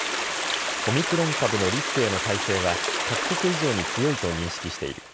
オミクロン株のリスクへの耐性は各国以上に強いと認識している。